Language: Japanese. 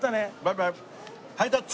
ハイタッチ！